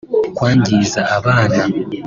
kwangiza abana